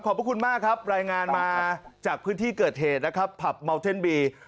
พระคุณมากครับรายงานมาจากพื้นที่เกิดเหตุนะครับผับเมาเท่นบี